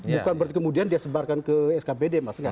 bukan berarti kemudian dia sebarkan ke skpd